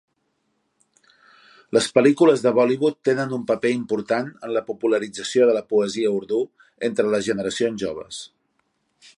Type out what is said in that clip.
Les pel·lícules de Bollywood tenen un paper important en la popularització de la poesia Urdu entre les generacions joves.